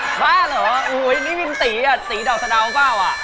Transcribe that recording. สวัสดีครับ